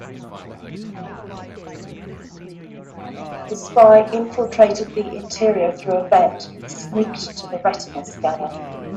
The spy infiltrated the interior through a vent and sneaked to the retina scanner.